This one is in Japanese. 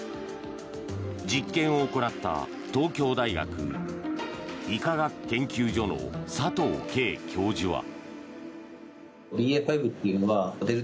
実験を行った東京大学医科学研究所の佐藤佳教授は。